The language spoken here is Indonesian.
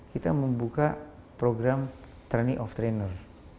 kita membuka program training of trainer